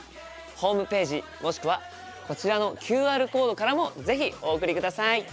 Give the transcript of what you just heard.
ホームページもしくはこちらのＱＲコードからも是非お送りください。